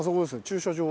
駐車場。